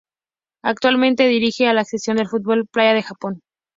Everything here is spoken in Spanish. Actualmente dirige a la Selección de fútbol playa de Japón.